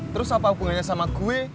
terus apa hubungannya sama gue